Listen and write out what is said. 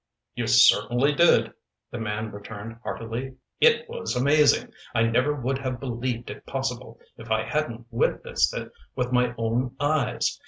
"You certainly did," the man returned heartily. "It was amazing! I never would have believed it possible, if I hadn't witnessed it with my own eyes.